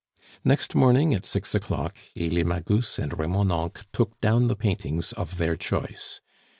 Next morning, at six o'clock, Elie Magus and Remonencq took down the paintings of their choice.